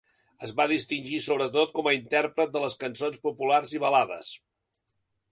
Es va distingir, sobretot, com a intèrpret de les cançons populars i balades.